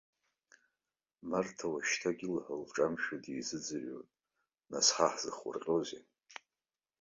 Марҭа уажәшьҭак илҳәо лҿамшәо дизыӡырҩуан, нас ҳа ҳзыхурҟьозеи?